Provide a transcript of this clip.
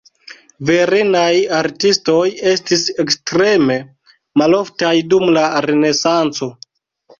Virinaj artistoj estis ekstreme maloftaj dum la Renesanco.